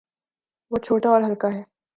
وہ چھوٹا اور ہلکا ہے۔